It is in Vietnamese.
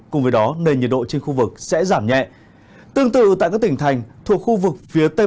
cùng với đó nền nhiệt độ trên khu vực sẽ giảm nhẹ tương tự tại các tỉnh thành thuộc khu vực phía tây